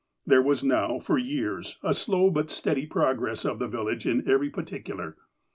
There was now, for years, a slow but steady progress of the village in every particular.